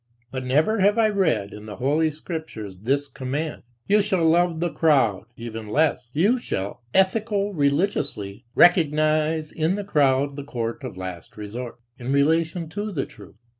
But never have I read in the Holy Scriptures this command: You shall love the crowd; even less: You shall, ethico religiously, recognize in the crowd the court of last resort in relation to "the truth."